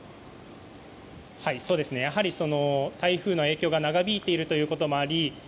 やはり、台風の影響が長引いているということもあり